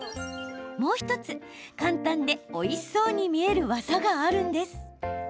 もう１つ、簡単でおいしそうに見える技があるんです。